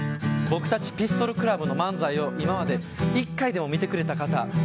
僕たちピストルクラブの漫才を今まで１回でも見てくれた方